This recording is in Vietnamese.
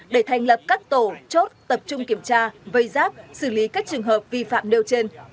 để thành lập các tổ chốt tập trung kiểm tra vây giáp xử lý các trường hợp vi phạm nêu trên